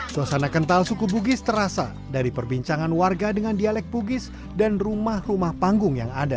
suasana kental suku bugis terasa dari perbincangan warga dengan dialek bugis dan rumah rumah panggung yang ada